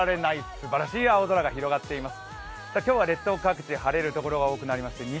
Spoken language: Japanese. すばらしい青空が広がっています。